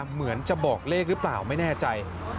เหมือนจะบอกเลขหรือเปล่าไม่แน่ใจ